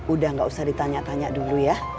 udah gak usah ditanya tanya dulu ya